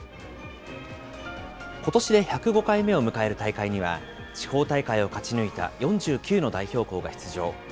ことしで１０５回目を迎える大会には、地方大会を勝ち抜いた４９の代表校が出場。